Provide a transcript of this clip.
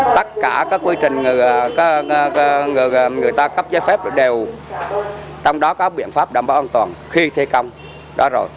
tất cả các quy trình người ta cấp giấy phép đều trong đó có biện pháp đảm bảo an toàn khi thi công đó rồi